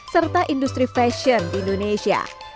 serta industri fashion di indonesia